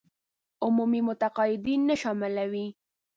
عمومي متقاعدين نه شاملوي.